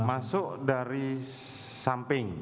masuk dari samping